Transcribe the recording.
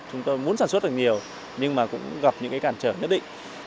chúng tôi muốn sản xuất được nhiều nhưng mà cũng gặp những cái cản trở nhất định